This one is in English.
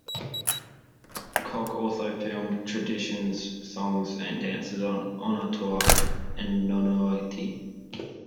Koch also filmed traditions songs and dances on Onotoa and Nonouti.